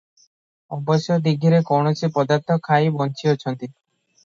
ଅବଶ୍ୟ ଦୀଘିରେ କୌଣସି ପଦାର୍ଥ ଖାଇ ବଞ୍ଚିଅଛନ୍ତି?